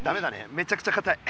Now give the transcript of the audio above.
めちゃくちゃかたい。